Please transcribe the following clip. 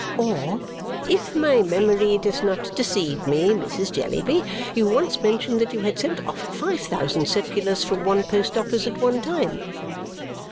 or, "If my memory does not deceive me, Mrs. Jellyby, you once mentioned that you had sent off five thousand circulars from one post office at one time?"